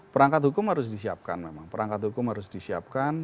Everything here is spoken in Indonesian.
perangkat hukum harus disiapkan memang perangkat hukum harus disiapkan